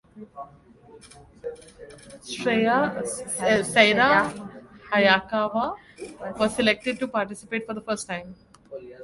Seira Hayakawa was selected to participate for the first time.